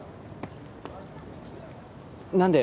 何で？